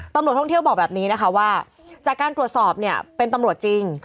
ตำรวจท่องเที่ยวบอกแบบนี้นะคะว่าจากการตรวจสอบเนี่ยเป็นตำรวจจริง